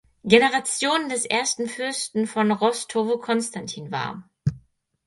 Generation des ersten Fürsten von Rostow Konstantin war.